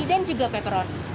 dan juga peperon